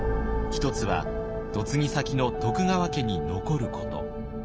一つは嫁ぎ先の徳川家に残ること。